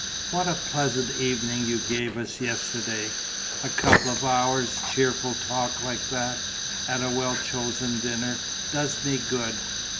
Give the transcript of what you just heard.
"What a pleasant evening you gave us yesterday! A couple of hours' cheerful talk like that, at a well chosen dinner, does me good.